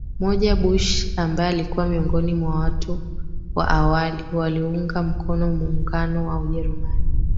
moja Bush ambae alikuwa miongoni mwa watu wa awali waliounga mkono muungano wa Ujerumani